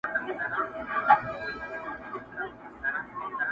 زه د جانان میني پخوا وژلې ومه،